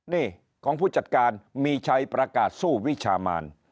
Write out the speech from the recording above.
นี่ของผู้จัดการมีชัยประกาศสู้วิชามาน